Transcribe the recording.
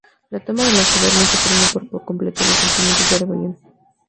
La toma de la ciudad no suprimió por completo los sentimientos de rebelión.